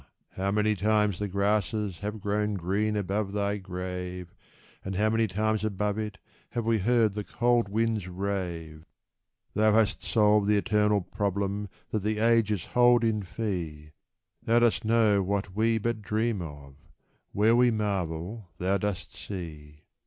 how many times the grasses have grown green above thy grave, And how many times above it have we heard the cold winds rave ! Thou hast solved the eternal problem that the ages hold in fee ; Thou dost know what we but dream of; where we marvel, thou dost see.